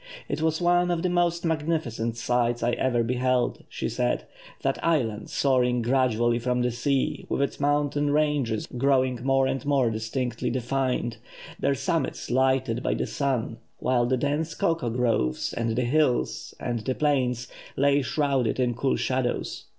"It was one of the most magnificent sights I ever beheld," she says, "that island soaring gradually from the sea, with its mountain ranges growing more and more distinctly defined, their summits lighted by the sun, while the dense cocoa groves, and the hills, and the plains lay shrouded in cool shadows."